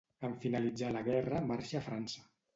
En finalitzar la guerra marxa a França.